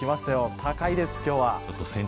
高いです、今日は。